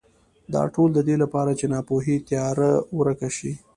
دا ټول د دې لپاره چې ناپوهۍ تیاره ورکه شي.